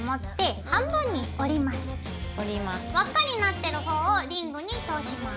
輪っかになってる方をリングに通します。